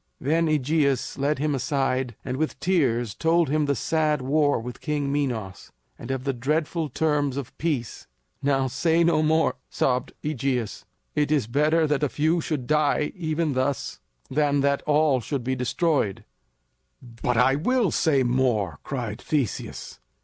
Then AEgeus led him aside and with tears told him of the sad war with King Minos, and of the dreadful terms of peace. "Now, say no more," sobbed AEgeus, "it is better that a few should die even thus than that all should be destroyed." "But I will say more," cried Theseus.